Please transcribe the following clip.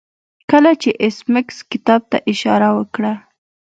کله چې ایس میکس کتاب ته اشاره وکړه